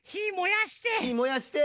ひもやして。